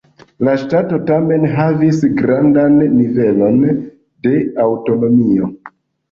La ŝtato tamen havis grandan nivelon de aŭtonomio.